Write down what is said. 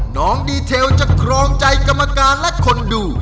น้องดีเทลจะครองใจกรรมการและคนดู